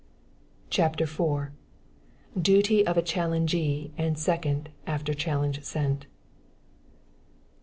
CHAPTER IV. Duty of Challengee and Second After Challenge Sent.